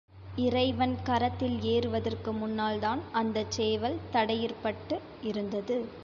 இறைவன் கரத்தில் ஏறுவதற்கு முன்னால்தான் அந்தச் சேவல் தடையிற்பட்டு இருந்தது.